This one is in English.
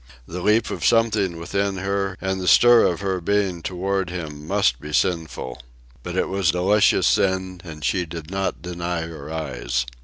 The leap of something within her and the stir of her being toward him must be sinful. But it was delicious sin, and she did not deny her eyes.